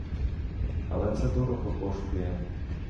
Але це дорого коштує.